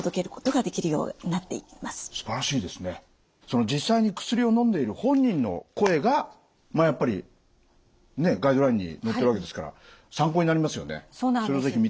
その実際に薬をのんでいる本人の声がまあやっぱりガイドラインに載ってるわけですから参考になりますよね。